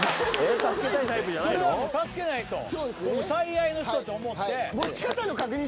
最愛の人と思って。